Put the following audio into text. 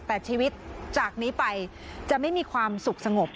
แต่ชีวิตจากนี้ไปจะไม่มีความสุขสงบ